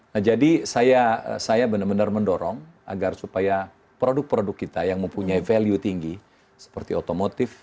nah jadi saya benar benar mendorong agar supaya produk produk kita yang mempunyai value tinggi seperti otomotif